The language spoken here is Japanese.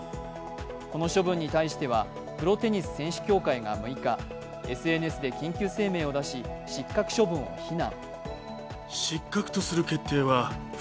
この処分に対してはプロテニス選手協会が６日、ＳＮＳで緊急声明を出し、失格処分を非難。